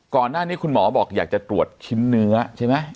ก่อนหน้านี้คุณหมอบอกอยากจะตรวจชิ้นเนื้อใช่ไหม